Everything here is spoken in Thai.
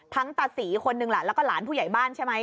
ทั้งตาศรีคนหนึ่งและก็ล้านผู้ใหญ่บ้านใช่ไหม